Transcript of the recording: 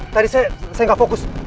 tadi saya gak fokus